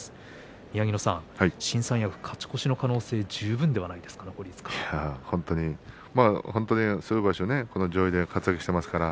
宮城野さん、新三役、勝ち越しの本当に上位で活躍していますからね